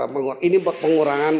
mengurangi ini pengurangan